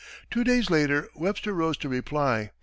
Two days later, Webster rose to reply.